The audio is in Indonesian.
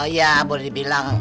ya boleh dibilang